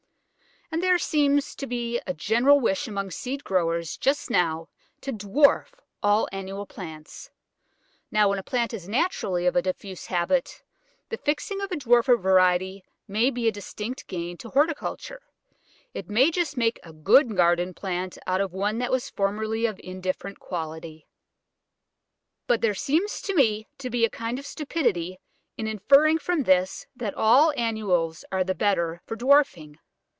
And there seems to be a general wish among seed growers just now to dwarf all annual plants. Now, when a plant is naturally of a diffuse habit, the fixing of a dwarfer variety may be a distinct gain to horticulture it may just make a good garden plant out of one that was formerly of indifferent quality; but there seems to me to be a kind of stupidity in inferring from this that all annuals are the better for dwarfing.